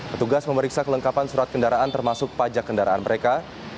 petugas memeriksa kelengkapan surat kendaraan termasuk pajak kendaraan mereka